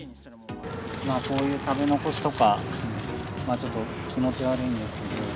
こういう食べ残しとか、ちょっと気持ち悪いんですけど。